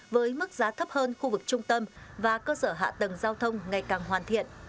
với mức giá thấp hơn khu vực trung tâm và cơ sở hạ tầng giao thông ngày càng hoàn thiện